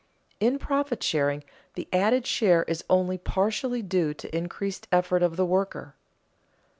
In profit sharing the added share is only partially due to increased effort of the worker.